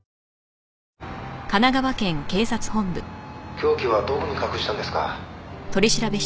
「凶器はどこに隠したんですか？」